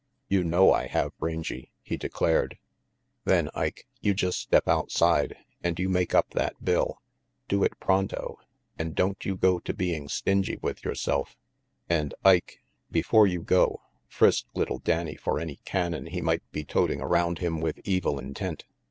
"You know I have, Rangy," he declared. "Then, Ike, you just step outside, and you make 264 RANGY PETE up that bill. Do it pronto, and don't you go to being stingy with yourself. And Ike, before you go, frisk little Danny for any cannon he might be toting around him with evil intent.